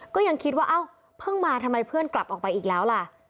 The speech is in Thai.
ก็ยังคิดว่าเอ้าเพิ่งมาทำไมเพื่อนกลับออกไปอีกแล้วล่ะ